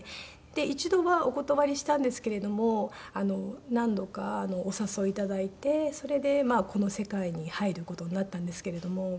一度はお断りしたんですけれども何度かお誘い頂いてそれでこの世界に入る事になったんですけれども。